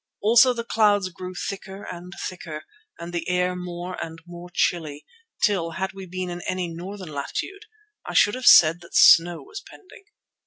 Also the clouds grew thicker and thicker, and the air more and more chilly, till, had we been in any northern latitude, I should have said that snow was pending.